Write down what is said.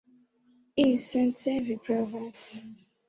Iusence vi pravas.